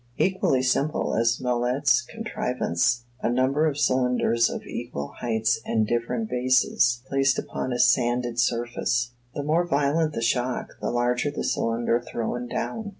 Equally simple is Mallet's contrivance a number of cylinders of equal heights and different bases, placed upon a sanded surface. The more violent the shock, the larger the cylinder thrown down.